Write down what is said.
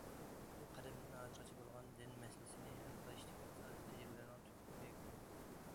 بۇ قەدىمدىن ھازىرغىچە بولغان دىن مەسىلىسىنى ھەل قىلىشتىكى ئاساسىي تەجرىبىلەرنىڭ تۈپ يەكۈنى.